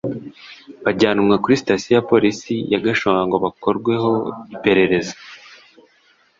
bajyanwa kuri sitasiyo ya Polisi ya Gashonga ngo bakorweho iperereza